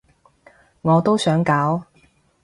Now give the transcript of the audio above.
我都想搞